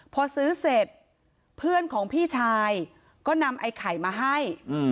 พอซื้อเสร็จเพื่อนของพี่ชายก็นำไอ้ไข่มาให้